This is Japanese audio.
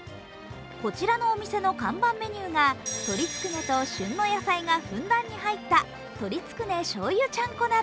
こちらのお店の看板メニューが、鶏つくねと旬の野菜がふんだんに入った鶏つくね醤油ちゃんこ鍋。